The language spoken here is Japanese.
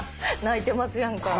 泣いてますやんか。